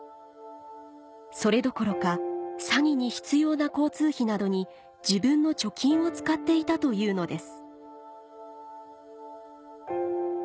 それどころか詐欺に必要な交通費などに自分の貯金を使っていたというのです